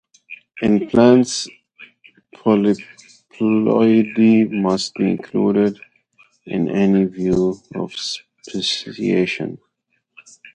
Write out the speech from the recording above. In plants, polyploidy must be included in any view of speciation.